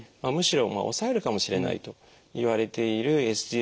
むしろ抑えるかもしれないといわれているＳＧＬＴ